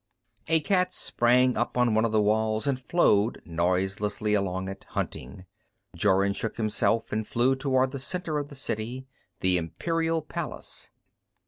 A cat sprang up on one of the walls and flowed noiselessly along it, hunting. Jorun shook himself and flew toward the center of the city, the imperial palace.